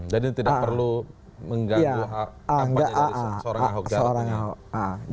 jadi tidak perlu mengganggu apa yang jadi seorang ahok jarod